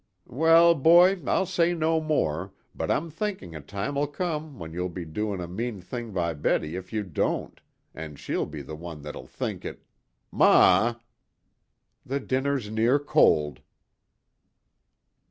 "Well, boy, I'll say no more, but I'm thinking a time'll come when you'll be doing a mean thing by Betty if you don't, and she'll be the one that'll think it " "Ma!" "The dinner's near cold."